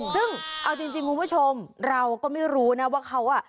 ซึ่งเอาจริงคุณผู้ชมเราก็ไม่รู้นะว่าเขาอ่ะ